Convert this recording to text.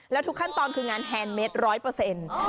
แล้วทุกขั้นตอนคืองานแฮนดเม็ดร้อยเปอร์เซ็นต์